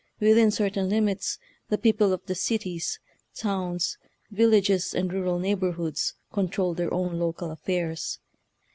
Within certain limits the people of the cities, towns, villages, and rural neighbor hoods controlled their own local affairs.